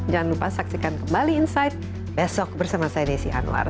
jangan lupa saksikan kembali insight besok bersama saya desi anwar